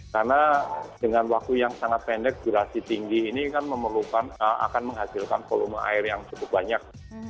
karena dengan waktu yang sangat pendek durasi tinggi ini akan menghasilkan volume air yang cukup banyak